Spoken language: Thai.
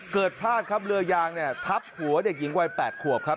พลาดครับเรือยางเนี่ยทับหัวเด็กหญิงวัย๘ขวบครับ